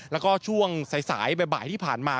แล้วก็ช่วงสายบ่ายที่ผ่านมา